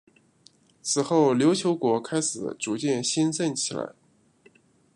此后琉球国开始逐渐兴盛起来。